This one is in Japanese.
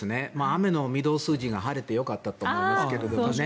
雨の御堂筋が晴れてよかったと思いますけどね。